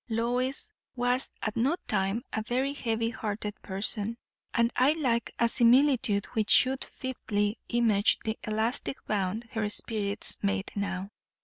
Lois was at no time a very heavy hearted person; and I lack a similitude which should fitly image the elastic bound her spirits made now.